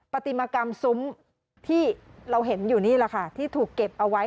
ปฏิมากรรมซุ้มที่เราเห็นอยู่นี่แหละค่ะที่ถูกเก็บเอาไว้